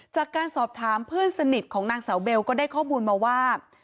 จากการสอบถามเพื่อนสนิทของนางสาวเบลก็ได้ข้อมูลมาว่า